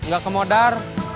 gak ke modar